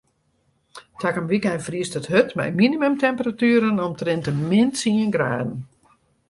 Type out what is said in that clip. Takom wykein friest it hurd mei minimumtemperatueren omtrint de min tsien graden.